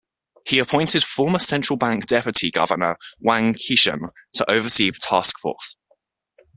He appointed former central bank deputy governor Wang Qishan to oversee the task force.